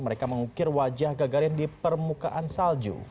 mereka mengukir wajah gagarin di permukaan salju